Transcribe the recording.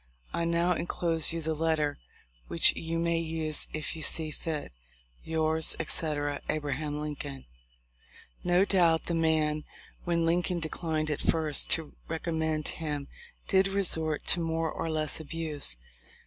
I now enclose you the let ter, which you may use if you see fit. "Yours, etc. "A. Lincoln/' No doubt the man, when Lincoln declined at first to recommend him, did resort to more or less abuse.